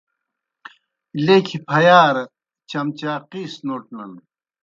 لیکھیْ پھیارہ چمچاقِیس نوٹنَن۔